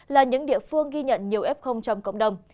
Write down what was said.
là những địa phương ghi nhận nhiều f trong cộng đồng